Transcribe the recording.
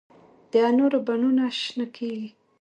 د انارو بڼونه شنه کیږي